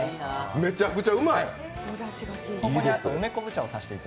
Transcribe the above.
めちゃくちゃうまい！